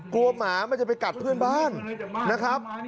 หมามันจะไปกัดเพื่อนบ้านนะครับ